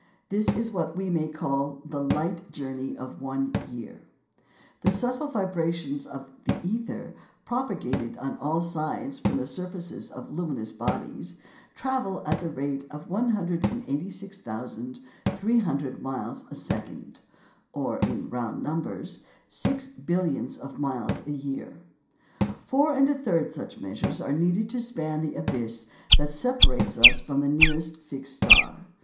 This is what we may call the light journey of one year. The subtle vibrations of the ether, propagated on all sides from the surface of luminous bodies, travel at the rate of 186,300 miles a second, or (in round numbers) six billions of miles a year. Four and a third such measures are needed to span the abyss that separates us from the nearest fixed star.